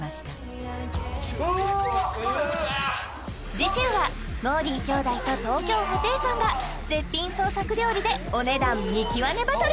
次週はもーりー兄弟と東京ホテイソンが絶品創作料理でお値段見極めバトル！